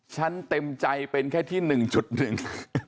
เต็มใจเป็นแค่ที่หนึ่งจุดหนึ่ง